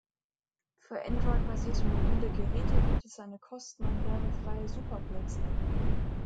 Für Android-basierte mobile Geräte gibt es eine kosten- und werbefreie ""Supaplex""-App.